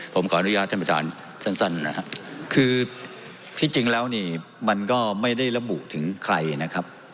ผมขออนุญาตท่านประธานสั้นนะครับคือที่จริงแล้วนี่มันก็ไม่ได้ระบุถึงใครนะครับ